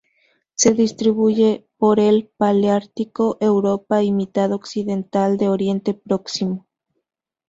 Se distribuye por el paleártico: Europa y mitad occidental de Oriente Próximo.